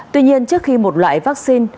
tuy nhiên trước khi một loại vaccine